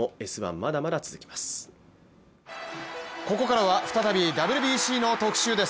ここからは再びＷＢＣの特集です。